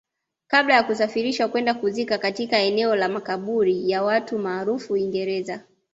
kabla ya kusafirishwa kwenda kuzikwa katika eneo la makaburi ya watu maarufu Uingereza